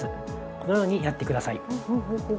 このようにやってください。